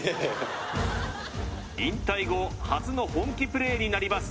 引退後初の本気プレーになります